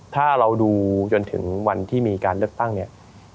ถ้าเราดูจนถึงวันที่มีการเลือกตั้งเนี่ย